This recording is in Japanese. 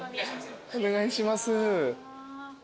お願いします。